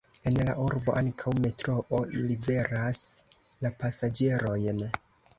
En la urbo ankaŭ metroo liveras la pasaĝerojn.